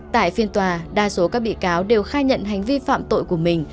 tại phiên tòa đa số các bị cáo đều khai nhận hành vi phạm tội của mình